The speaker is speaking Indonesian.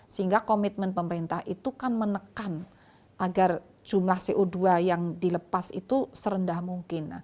sehingga komitmen pemerintah itu kan menekan agar jumlah co dua yang dilepas itu serendah mungkin